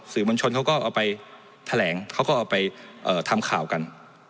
สื่อมวลชนเขาก็เอาไปแถลงเขาก็เอาไปทำข่าวกัน